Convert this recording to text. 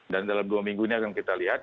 dan dalam dua minggu ini akan kita lihat